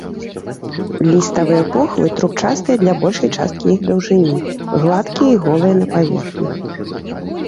Ліставыя похвы трубчастыя для большай часткі іх даўжыні, гладкія і голыя на паверхні.